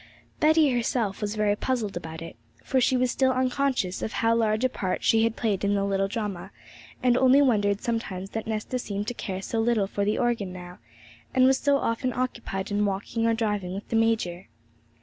Betty herself was very puzzled about it, for she was still unconscious of how large a part she had played in the little drama; and only wondered sometimes that Nesta seemed to care so little for the organ now, and was so often occupied in walking or driving with the major.